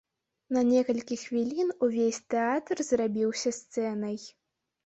На некалькі хвілін увесь тэатр зрабіўся сцэнай.